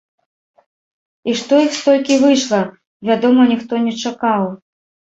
І што іх столькі выйшла, вядома, ніхто не чакаў.